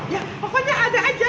ya pokoknya ada aja